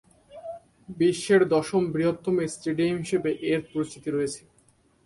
বিশ্বের দশম সর্ববৃহৎ স্টেডিয়াম হিসেবে এর পরিচিতি রয়েছে।